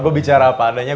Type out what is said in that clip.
gua bicara apa adanya